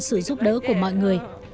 sự giúp đỡ của mọi người